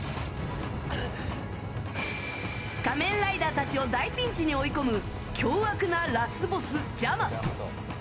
仮面ライダーたちを大ピンチに追い込む凶悪なラスボス、ジャマト。